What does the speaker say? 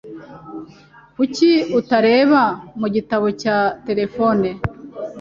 Kuki utareba mu gitabo cya terefone?